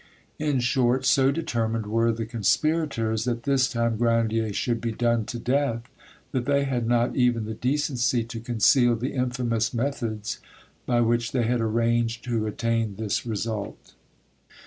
In short, so determined were the conspirators that this time Grandier should be done to death, that they had not even the decency to conceal the infamous methods by which they had arranged to attain this result.